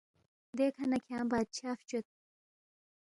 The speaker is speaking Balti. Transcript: دیکھہ نہ کھیانگ بادشاہ فچوید